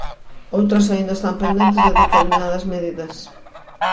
Outras aínda están pendentes de determinadas medidas.